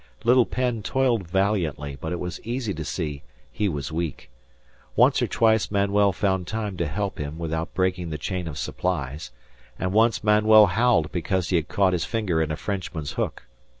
Little Penn toiled valiantly, but it was easy to see he was weak. Once or twice Manuel found time to help him without breaking the chain of supplies, and once Manuel howled because he had caught his finger in a Frenchman's hook.